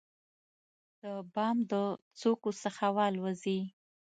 د بام د څوکو څخه والوزي،